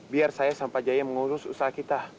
biar saya sampah jaya mengurus usaha kita